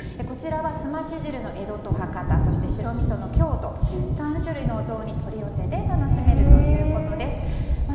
こちらはすまし汁の江戸と博多そして白みその京都３種類のお雑煮を取り寄せて楽しめるということです。